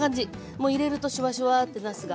もう入れるとシュワシュワってなすが。